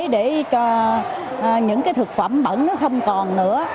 để những cái thực phẩm bẩn nó không còn nữa